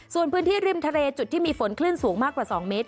ส่วนพื้นที่ริมทะเลจุดที่มีฝนคลื่นสูงมากกว่า๒เมตร